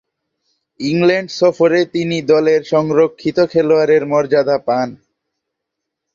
England সফরে তিনি দলের সংরক্ষিত খেলোয়াড়ের মর্যাদা পান।